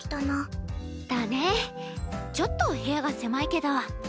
ちょっと部屋が狭いけど。